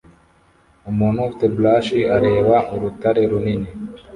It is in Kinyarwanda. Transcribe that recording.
Umuntu ufite brush areba urutare runini